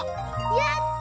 やった！